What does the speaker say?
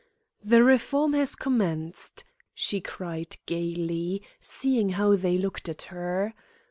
"The reform has commenced," she cried gaily, seeing how they looked at her.